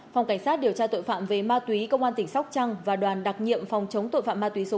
phòng cảnh sát điều tra tội phạm về ma túy công an tỉnh sóc trăng và đoàn đặc nhiệm phòng chống tội phạm ma túy số một